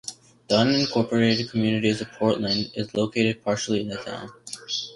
The unincorporated community of Portland is located partially in the town.